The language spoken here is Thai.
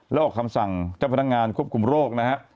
แล้วออกคำสั่งเจ้าพนักงานควบคุมโรคนะฮะ